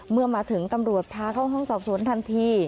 เมื่อมาถึงตำรวจพาเข้าห้องสอบสวนทันที